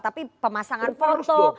tapi pemasangan foto